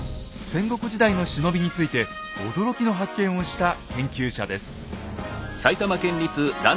戦国時代の忍びについて驚きの発見をした研究者です。